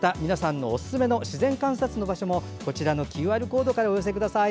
また自然観察におすすめの場所もこちらのＱＲコードからお寄せください。